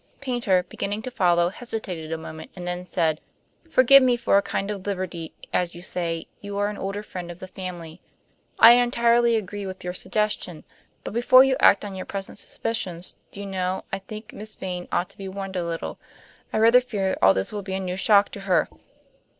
Paynter, beginning to follow, hesitated a moment, and then said: "Forgive me for a kind of liberty; as you say, you are an older friend of the family. I entirely agree with your suggestion, but before you act on your present suspicions, do you know, I think Miss Vane ought to be warned a little? I rather fear all this will be a new shock to her."